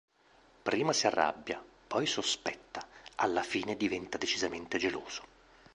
Prima si arrabbia, poi sospetta, alla fine diventa decisamente geloso.